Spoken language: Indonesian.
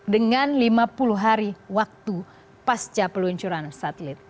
dengan lima puluh hari waktu pasca peluncuran satelit